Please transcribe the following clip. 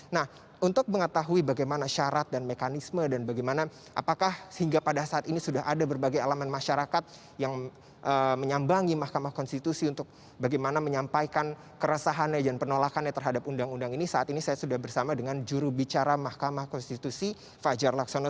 nah untuk mengetahui bagaimana syarat dan mekanisme dan bagaimana apakah sehingga pada saat ini sudah ada berbagai elemen masyarakat yang menyambangi mahkamah konstitusi untuk bagaimana menyampaikan keresahannya dan penolakannya terhadap undang undang ini saat ini saya sudah bersama dengan jurubicara mahkamah konstitusi fajar laksono